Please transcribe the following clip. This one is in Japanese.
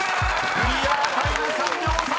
［クリアタイム３秒３３］